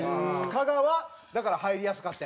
加賀はだから入りやすかったよね。